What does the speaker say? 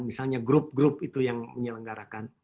misalnya grup grup itu yang menyelenggarakan